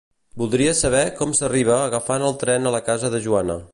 Voldria saber com s'arriba agafant el tren a la casa de Joana.